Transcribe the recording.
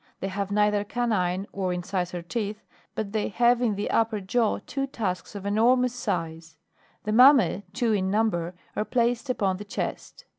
They have neither canine or incisor teeth, but they have in the upper jaw two tusks of enormous size; the mamma3, two in number, are placed upon the chest.